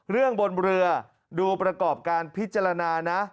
เรื่องบนเรือดูประกอบการพิจารณานะ